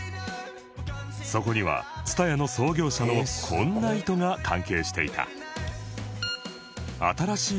そこには ＴＳＵＴＡＹＡ の創業者のこんな意図が関係していた